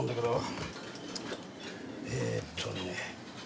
えーっとね。